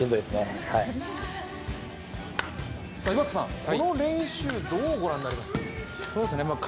井端さん、この練習、どうご覧になりますか。